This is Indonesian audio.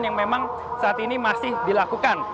yang memang saat ini masih dilakukan